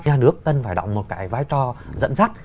nhà nước cần phải đóng một cái vai trò dẫn dắt